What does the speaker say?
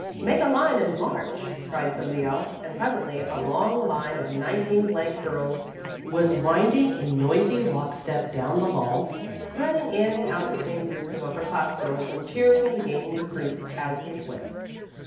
"Make a line and march," cried somebody else, and presently a long line of 19 girls was winding in noisy lock step down the hall, threading in and out between groups of upper class girls and cheering and gaining recruits as it went.